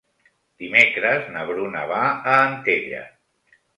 Dimecres na Bruna va a Antella.